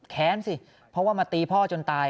แค้นสิเพราะว่ามาตีพ่อจนตาย